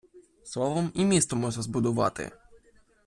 Словом і місто можна збудувати.